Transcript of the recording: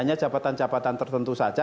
hanya jabatan jabatan tertentu saja